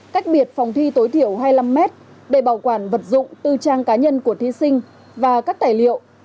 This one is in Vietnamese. cách biệt phòng thi tối thiểu hai mươi năm m để bảo quản vật dụng tư trang cá nhân của thí sinh và các tài liệu